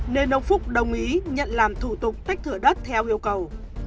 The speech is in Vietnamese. nên ông phúc đồng ý nhận làm thủ tục tách thửa đất theo yêu cầu